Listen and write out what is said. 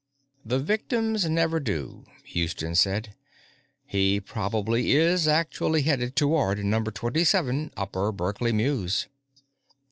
"The victims never do," Houston said. "He probably is actually headed toward Number 37 Upper Berkeley Mews."